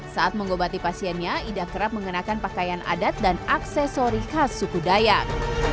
saat mengobati pasiennya ida kerap mengenakan pakaian adat dan aksesori khas suku dayak